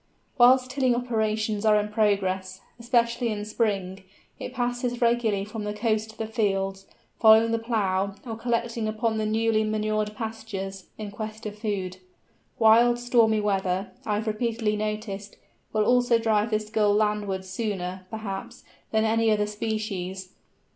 Whilst tilling operations are in progress, especially in spring, it passes regularly from the coast to the fields, following the plough, or collecting upon the newly manured pastures, in quest of food. Wild, stormy weather, I have repeatedly noticed, will also drive this Gull landwards sooner, perhaps, than any other species.